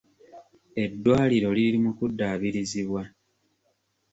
Eddwaliro liri mu kuddaabirizibwa.